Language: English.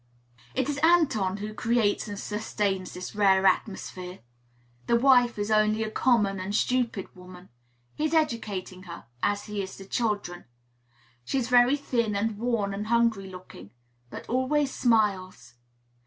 It is Anton who creates and sustains this rare atmosphere. The wife is only a common and stupid woman; he is educating her, as he is the children. She is very thin and worn and hungry looking, but always smiles.